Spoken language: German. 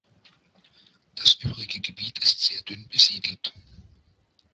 Das übrige Gebiet ist sehr dünn besiedelt.